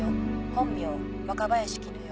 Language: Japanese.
本名若林絹代。